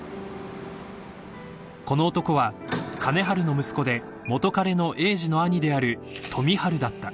［この男は金治の息子で元カレの栄治の兄である富治だった］